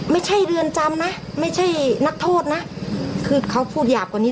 ไม่ใช่เรือนจำนะไม่ใช่นักโทษนะคือเขาพูดหยาบกว่านี้